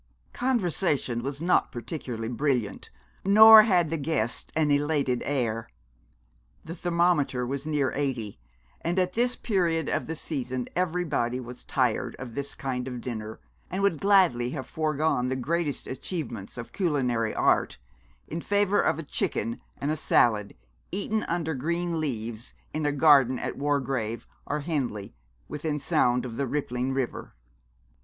Conversation was not particularly brilliant, nor had the guests an elated air. The thermometer was near eighty, and at this period of the season everybody was tired of this kind of dinner, and would gladly have foregone the greatest achievements of culinary art, in favour of a chicken and a salad, eaten under green leaves, in a garden at Wargrave or Henley, within sound of the rippling river.